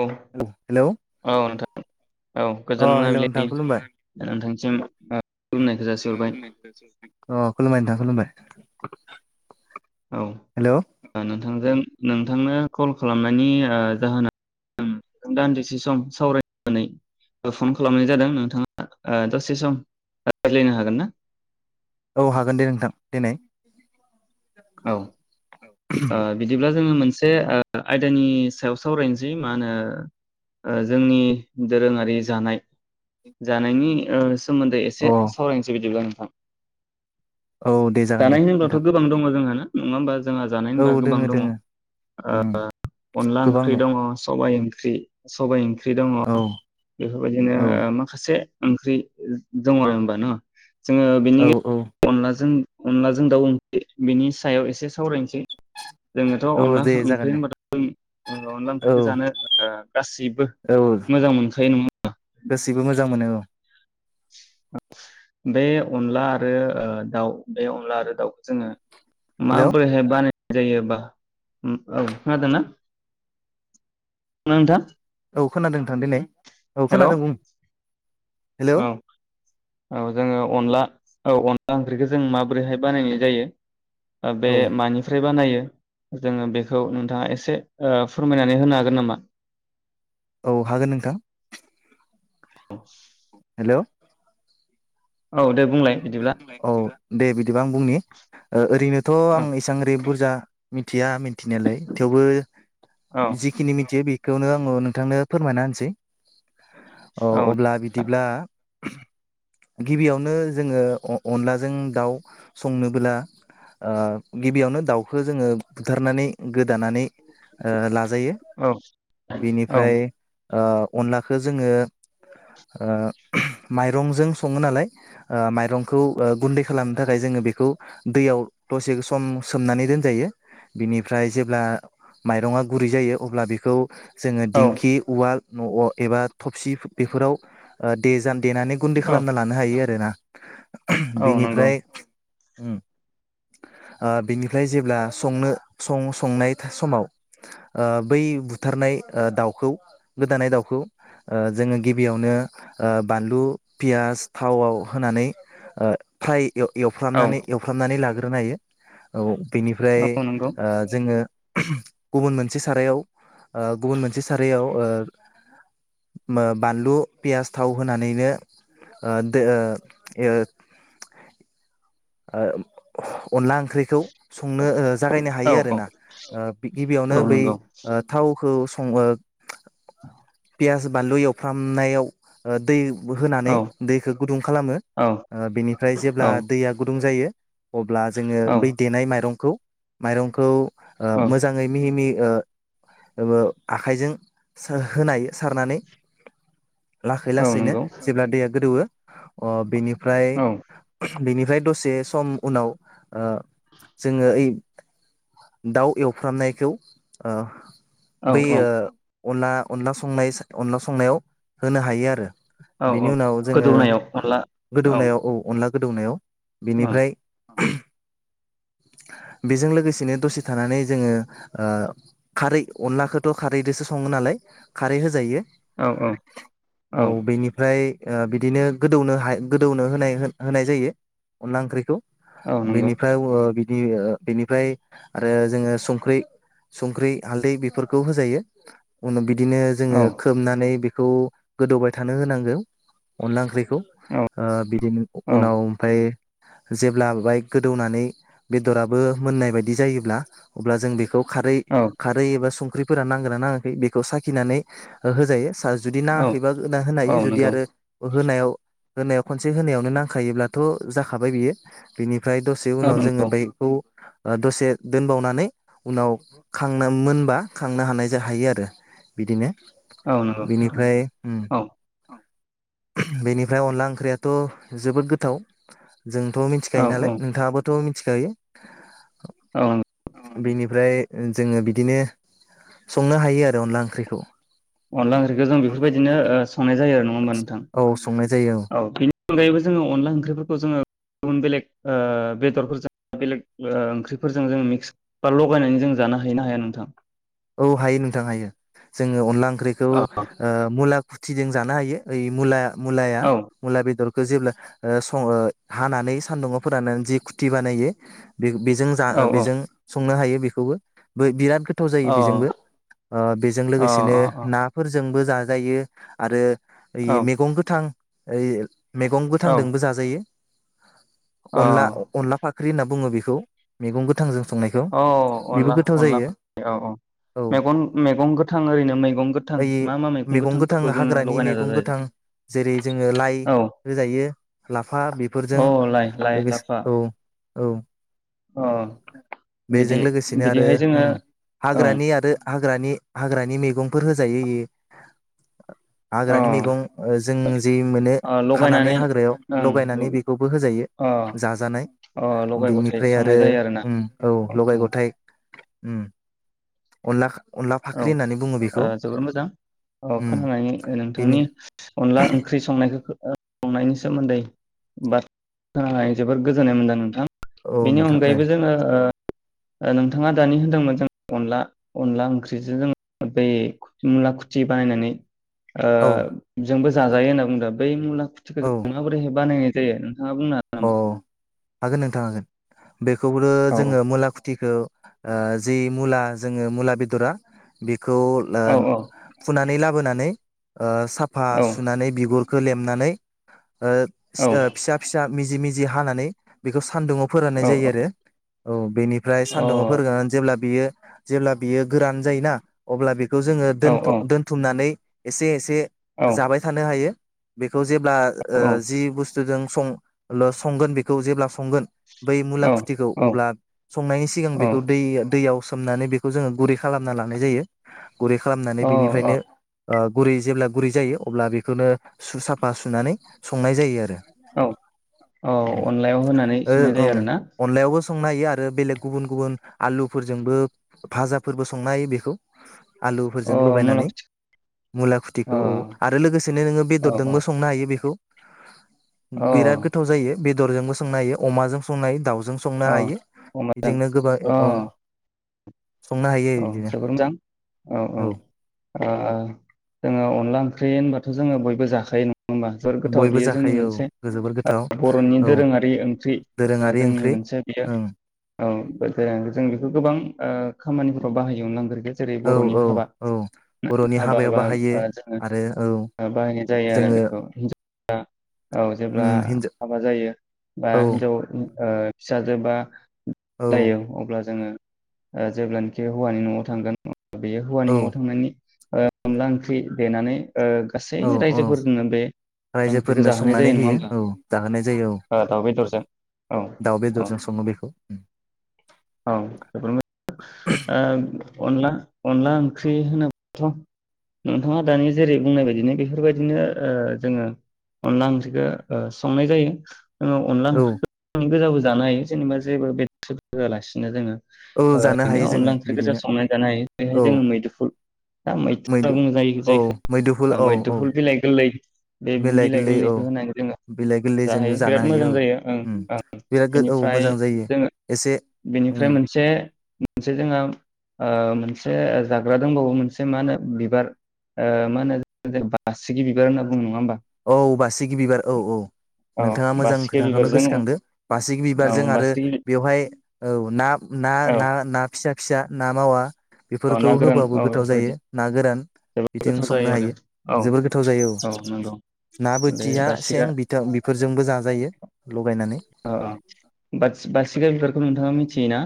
औ हेलौ औ नोंथां [inaudible] औ अ गोजोन हेलौ मोनाबिलि नोंथां सिम [unintelligible] उम उम खुलुमबाय नोंथाङ खुलुमबाय। औ हेलौ नोंथांजों नोंथांनो कल खालामनायनि ओ जाहोना दान्दिसे सम सावरायनानै फन खालामनाय जादों नोंथाङा दसे सम रायज्लायनो हागोन ना औ हागोन दे नोंथां दिनै। औ ओ बिदिब्ला जोङो मोनसे ओ आयदानि सायाव सावरायनोसै मा होनो ओ जोंनि दोरोङारि जानाय जानायनि सोमोन्दै अ एसे सावरायनोसै बिदिब्ला आं। आं। औ दे जागोन जानाय दे होनोबावथ' नोंथां गोबां दङ जोंहा नङा होनबा। जोंहा जानाय औ होनबा गोबां दोङो दं ओ दोङो उम अनला ओंर्खि दं। सबाइ ओंख्रि सबाय ओं ख्रि दङ' औ बेफोरबायदिनो औ ओ माखासे ओंख्रि दङ' होनबा न' जोङो बेनि औ औ अनलाजों अनदलाजों दाउओंख्रि बेनि सायाव एसे सावरायनोसै जोंनाथ' अनला औ दे जागोन ओंख्रि दे होनबाथ' जों ओ अनला औ ओंख्रिखौ जानो ओ गासैबो औ मोजां मोनखायो नङा होनबा जां मोनो औ बे अनला आरो ओ दाउ बे अनला आरो दाउखौ जोङो मा हेलौ बोरै बानाय जायोबा उम औ खोनादों ना [unintelligible] नोंथां औ खोनादों नोंथां देनाय औ हेल' खोनादों बुं हेलौ औ औ जोङो अनला औ अन ला ओंख्रिखौ जों माबोरैहाय बानायनाय जायो? बे औ मानिफ्राय बानायो जोङो बेखौ नोंथाङा एसे ओ फोरमायनानै होनो हागोन नामा? औ हागोन नोंथां। औ हेलौ, औ दे बुं औ दे बिदिबा आं बुंनि ओ ओरैनो थ' आं औ इसां इरै बुरजा मि थिया मिथिनायालाय थेवबो औ जिखिनि मिथियो बि खौनो आङो नोंथांनो फोरमायना होनोसै ओ औ अब्ला बिदिब्ला गिबियावनो जोङो अ अनलाजों दाउ संनोबोला ओ गिबियावनो दाउखो जोङो बुथारनानै गोदानानै ओ ला ग्रोयो औ बिनिफ्राय ओ अनलाखो जोङो ओ माइरंजों सङो नालाय ओ माइरंखौ ओ गुन्दै खालामनो थाखाय जोङो बेखौ दैयाव दसे सम सोमनानै दोनजायो। बिनिफ्राय जेब्ला माइरङा गुरै जायो अब्ला बेखौ जोङो औ दिंखि उवाल न' एबा थबसि बेफोराव दे जान देनानै गुन्दै औ खालामना लानो हायो आ देना [unintelligible] औ नंगौ बिनिफ्राय बिनिफ्राय जेब्ला संनो संनाय समाव बै बुथारनाय दाउखौ गोदानाय दाउखौ जोङो गिबियावनो बानलु पियास थावाव होनानै फ्राय औ एवफ्रामनानै एवफ्रामनानै लाग्रो नायो औ बेनिफ्राय औ नंगौ जोङो गुबुन मोनसे सारायाव गुबुन मोनसे सारायाव बानलु पियास थाव होनानैनो [unintelligible] अनला आंख्रि संनो जागायनो औ हायो औ आरोना। औ नंगौ पियास बानलु एवफ्रामनायाव दै होनानै औ दैखौ गुदुं खालामो बेनिफ्राय जेब्ला औ दैया दुं जायो अब्ला जोङो औ बै देनाय माइरंखौ माइरंखौ औ मोजाङै मिहि मिहि आखाइजों होनाय सारनानै लासै औ लासैनो नंगौ जेब्ला दैया गोदौवो बेनि फ्राय औ बेनिफ्राय दसे सम उनाव जोङो ओइ दाउ एवफ्रामनायखौ औ बेै औ ओ अनला अनला संनाय अनला संनायाव होनो हायो आरो औ बेनि औ उनाव जोङो गोदौनायाव अनला गोदौनायाव औ अनला गोदौनायाव औ बिनिफ्राय बेजों लोगोसेनो दसे थानानै जोङो खारै अनलाखौथ' खारैदोसो सङो नालाय खारै होजायो औ औ औ बेनिफ्राय ओ बिदिनो गोदौनो हाय- गोदौनो होनाय होनाय जायो अनला ओंख्रिखौ औ नंगौ बेनिफ्राय वो बि बि ओ बेनिफ्राय आरो जोङों संख्रै संख्रै हालदै बेफोरखौ होजायो बिदिनो औ जोङो खोबनानै बिख खौ गोदौबाय थानो होनांगौ अनला ओंख्रैखौ औ ओ बिब औ उनाव ओमफाय जेब्ला बाय गोदौनानै बेदराबो मोननाय बायदि जायोब्ला अब्ला जों बेखौ खारै खारै एबा सं ख्रिफोरा नांगोना नाङाखै बेखौ साखिनानै ओ होजायो सा जुदि औ नाङाखैबा होना होनो हायो औ जुदि नंगौ आरो होनायाव होनायाव खनसे होनायावनो नांखायोब्लाथ' जाख खाबाय बियो बेनिफ फ्राय दसे औ उनाव जोङो नंगौ बैखौ ओ दसे दोनबावनानै उनाव खांनो मोनबा खांनो हानाय जा जाहैयो आरो बिदिनो। औ नंगौ बिनिफाय उं औ बेनिफ्राय अनला ओंख्रियाथ' जोबोद गोथाव। जोंथ' मिथिखायो औ नालाय औ नोंथाङाबो थ' मिथिखायो औ बिनिफ्राय जोङो बिदिनो संनो हायो आरो अनला ओंख्रैखौ। अनला ओंख्रिखौ जों बेफोरबायदिनो ओ संनाय जायो आरो नङा होमबा नोंथां औ संनाय जायो औ बेनि अनगायैबो जोङो अनला ओंख्रिफोरखौ जोङो गुबुन बेलेग ओ बेदरफोरजों बेलेग ओंख्रिफोरजों जों मिक्स बा लगायनानै जों जानो हायो ना हाया नोंथां? औ हायो नोंथां हायो जोङो अनला ओंख ख्रिखौ औ ओ मुला खुथिजों जानो हायो ओइ मुला मुलाया औ मुला बेदर खो जेब्ला ओ सं हानानै सानदुङाव फोराननानै जि खुथि बानायो। बे बेजों जा औ औ बेजों संनो हायो। बिखौबो बिराद। गोथाव अ जायो। जोंबो ओ बिजों अ लोगोसेनो ना फोरजोंबो। जाजायो आरो। ओइ अ मेगं गोथां। ओय। मेगं औ गोथांदोंबो जाजायो। औ अनला अनला फा ख्रि होनना बुङो बेखौ मैगं गोथांजों। संनायखौ औ बेबो अनला गोथाव अनला जायो फा ख्रि औ औ। मेगन मैगं गोथां ओरैनो मैगं गोथां ओइ मा मा मैगं गोथां गोथांफोरखौ जोङो हाग्रानि लगायना मैगं जाजायो गोथां जेरै जोङो लाइ औ होजायो लाफा बेफोरजों औ लाइ लोगोसे लाफा। औ औ। अ बेजों बिदि लोगोसेनो आरो बिदिहाय जोङो। उम औ हाग्रानि आरो। हाग्रानि हाग्रानि मैगंफोर होजायो इयो। हाग्रानि अ मैगं जों जि मोनो ओ खानानै लगायनानै हाग्रायाव ओं लगायनानै बेखौबो होजायो अ जाजानाय अ लगाय गथाय बिनिफ्राय संनाय आरो जायो आरोना ओं औ लगाय लथाय। उम। अनला औ फाख्रि होननानै बुङो बेखौ ओ जोबोर मोजां औ उम खोनानानै बेनो नोंथांनि अनला ओंख्रि संनायखौ संनायनि सोमोन्दै बाथ्रा खोनानानै जोबोद गोजोननाय मोनदों नोंथां। औ बेनि नोंथां दे अनगायैबो जोङो। ओ नोंथाङा दानि होनदोंमोन जों अनला अनला ओंख्रि। जों बै मुला खुथि बानायनानै ओ औ जोंबो जाजायो होनना बुंदों बै मुला माबोरैहाय बानायो। जायो। नोंथाङा बुंनो हागोन अ नामा? हागोन नोंथां हागोन। बेखौबो औ जोङो मुला खुथिखौ ओ जि मुला जोङो मुला बेदरा बे खौ औ [unintelligible] फुनानै ला बोनानै ओ साफा औ सुनानै बिगुर खो लेमनानै ओ औ फिसा फिसा मिजि मिजि हानानै बिखौ सान्दुङाव फोराननाय औ औ जायो आरो औ बेनि फ्राय अ सान्दुङाव फोराननानै जेब्ला बियो जेब्ला बियो गोरान जायोना अब्ला बे खौ जोङो औ दोनथ' दोनथुमनानै एसे एस से औ जाबाय थानो हायो। बे खौ जेब्ला ओ औ जि बुस्थ जोजों सं लो संगोन बेखौ जेब्ला संगोन बै मुला खुथिखौ औ अब्ला संनायनि सिगां बेखौ दै -दैयाव सोमनानै बेखौ जोङो गुरै खालामना लांनाय जायो। गुरै खालामनानै अ बिनिफ्रायनो औ ओ गुरै जेब्ला गुरै जायो अब्ला बेखौनो सु साफा सुनानै संनाय जायो आरो औ औ उम अनलायाव होनानै ओ संनाय ओं जायो आरोना अनलायावबो संनो हायो आरो बेलेग गुबुन गुबुन आलुफोरजोंबो भाजाफोरबो संनो हायो बेखौ। अ आलुफोरजों मुला लगायनानै अ मुला खुथिखौ औ आरो लोगोसेनो नोङो औ औ बेदरदोंबो संनो हायो बेखौ। अ हायो बेरजोंबो संनो हायो अमाजों संनो हायो दाउ जों संनो अ हायो अनलाजों बिदिनो गोबां अ अं औ जोबोर मोजां औ औ ओ जोङो अनला ओंख्रि होनबाथ' जोङो बयबो जाखायो नङा नङा होनबा जोबोद गोथाव बयबो बेयो जोंनि जाखायो मोनसे औ जोबोर गोथाव बर'नि औ दोरोङारि ओंख्रि दोरोङारि जोंनि ओंख्रि मोनसे बियो ओं ओं जों बेखौ गोबां ओ खामानिफोराव बाहायो अनला ओंख्रिखो। जेरै औ बर'नि औ हाबा। औ बर'नि हाबा हाबायाव बा बाहायो ओ जोङो आरो औ बाहायनाय जायो आरो जोङो बेखौ हिनजाव औ जेब्ला उम हिनजाव हाबा जायो बा औ हिनजाव ओ फिसाजोबा औ जायो अब्ला जोङो ए जेब्लानोखि हौवानि न'आव थांगोन बेयो हौवानि औ न'आव थांनायनि ओ अनला ओंख्रि देनानै ओ गासै औ औ रायजोफोरनो बे ओंख्रिखौ रायजोफोरनो जाहोनाय संनानै जायो नङा होयो होमबा औ जाहोनाय जायो औ दाउ बेदरजों सङो बेखौ ओ अनला -अनला ओंख्रि होनोब्लाथ' नोंथाङा दानि जेरै बुंनाय बायदिनो बेफोरबायदिनो जोङो अनला ओंख्रिखौ ओ संनाय जायो आङो अनला औ ओंख्रिखौ गोजाबो जानो हायो जेनेबा जेबो बेदर होआलासिनो जोङो औ जानो हायो ओरैनो अनला जोङो ओंख्रि गोजा बिदिनो संनानै जानो हायो बेहाय औ जोङो मैदुफुल दा मैदुना मैदु बङो जायो औ मैदुफुल जायफोर औ औ मैदुफुल बिलाइ गोरलै बे बिलाइ गोरलै औ गोरलैखौ होनानै जोंङो बिलाइ गोरलैजों जाहोयो जानो बिराद मोजां हायो जायो ओं औ ओं बिराद औ बेनिफ्राय मोजां जायो जोंङो एसे उम बेनिफ्राय मोनसे मोनसे जोंहा ओ मोनसे ओ‌ जाग्रा दंबायो मोनसे मा होनो बिबार ओ‌ मा होनो बासिगि बिबार होनना बुं नंङा होनबा औ बासिगि बिबार औ-औ औ नोंथाङा मोजां बासिगि खोथाखौनो बिबारजों गोसो खांदों बासिगि‌ औ बिबारजों आरो बासिगि औ फिसा-फिसा ना मावा औ बेफोरखौ ना गोरान होबाबो औ गोथाव बेफोरबायदि जायो ना गोरान जोबोद बिथिं गोथाव संनो जायो आरो औ हायो औ नंगौ ना बे बोथिया सें बासिगा बिथ बेफोरजोंबो जाजायो लगायनानै औ औ थिना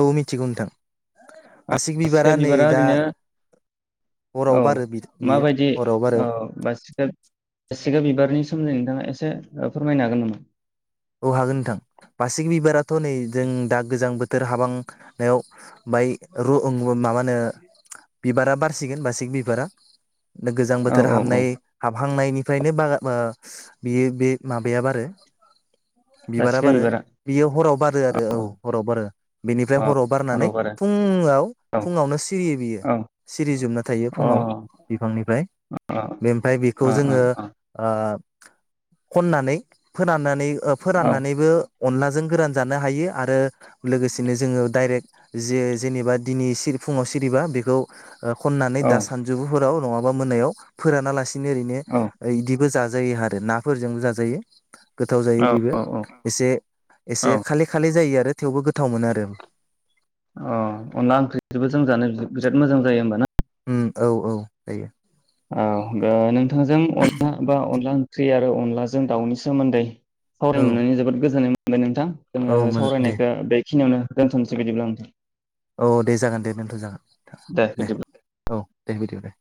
औ मिथिगौ नोंथां बासिगि बासिग नै बिबारा दा ओरैनो हराव औ बारो बियो माबायदि हराव बारो औ बासिगा बिबारनि सोमै नोंथांङा एसे फोरमायनो हागोन नामा औ हागोन नोंथां बासिगि बिबाराथ नै जों दा गोजां बोथोर हाबांनायाव बाय र माबा होनो गोजां औ बोथोर औ औ हाबनाय हाब हांनायनिफ्रायनो बा बा ओ बागान बियो बे माबाया बारो बिबारा बारो बियो हराव बारो आरो औ हराव बारो बेनिफ्राय औ हराव बारना बारो औ औ अ अ अ अ खननानै फोरोननानै औ फोराननानैबो अनलाजों गोरान जानो हायो आरो लोगोसेनो जोंङो डाइरेक्ट जे जेनेबा दिनै फुंङाव सिरि ओ खननानै औ दा सानजुुफोराव नंङा मोननायाव फोरानालासि नि ओरैनो औ इदिबो जा जायो आरो नाफोरजोंबो जाजायो। गोथाव जायो बेबो। औ औ एसे-एसे खाले-खाले जायो आरो। आरो थेवबो गोथाव मोनो आरो। अ अनला ओंख्रिजोंबो जों जानो बिराद मोजां जायो होनबा ना? औ-औ जायो। औ दा नोंथांजों अनला बा अनला ओंख्रि आरो अनलाजों दाउनि सोमोन्दै। औ सावराय मोननानै जोबोद गोजोननाय मोनो [unintelligible] नोंथां औ जोंङो मोनो दे सावरायनायखौ बे बेनियावनो दोन्थनोसै बिदिब्ला नोंथां। औ दे जागोन दे दोनथ जागोन दे औ। दे बिदिबा दे।